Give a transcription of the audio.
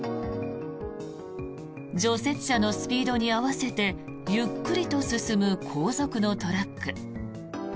除雪車のスピードに合わせてゆっくりと進む後続のトラック。